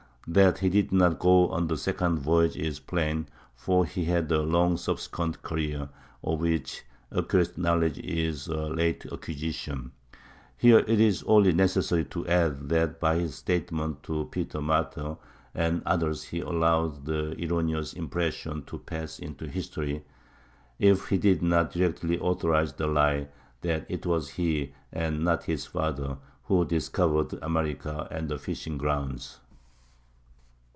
That he did not go on the second voyage is plain, for he had a long subsequent career, of which accurate knowledge is a late acquisition; here it is only necessary to add that by his statements to Peter Martyr and others he allowed the erroneous impression to pass into history, if he did not directly authorize the lie, that it was he, and not his father, who discovered America and the fishing grounds.